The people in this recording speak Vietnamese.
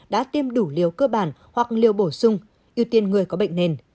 đã tiêm đủ liều cơ bản hoặc liều bổ sung ưu tiên người có bệnh nền